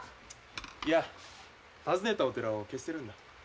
いや訪ねたお寺を消してるんだ。